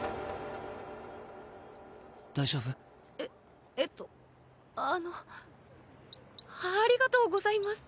大丈夫？ええっとあのありがとうございます。